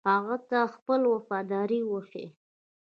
هغه ته خپله وفاداري وښيي.